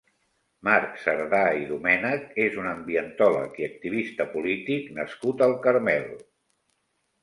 Marc Cerdà i Domènech és un ambientòleg i activista polític nascut al Carmel.